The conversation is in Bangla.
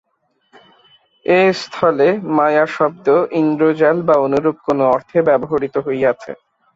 এস্থলে মায়া-শব্দ ইন্দ্রজাল বা অনুরূপ কোন অর্থে ব্যবহৃত হইয়াছে।